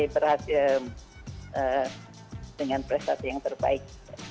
berhasil dengan prestasi yang terbaik